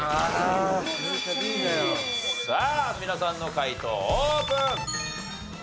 さあ皆さんの解答オープン。